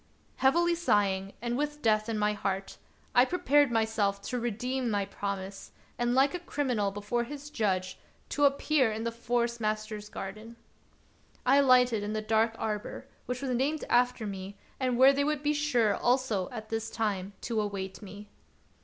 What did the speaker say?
Heavily sighing, and with death in my heart, I prepared myself to redeem my promise, and, like a criminal before his judge, to appear in the Forest master's garden. I alighted in the dark arbor, which was named after me, and where they would be sure also at this time to await me.